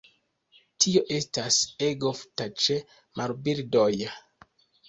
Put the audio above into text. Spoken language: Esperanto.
Tio estas ege ofta ĉe marbirdoj.